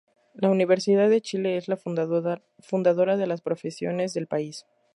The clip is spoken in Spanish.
La Universidad de Chile es la fundadora de las profesiones del país.